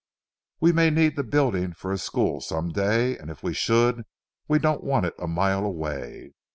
We may need the building for a school some day, and if we should, we don't want it a mile away.